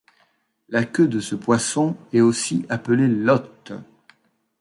La queue de ce poisson est aussi appelée lotte.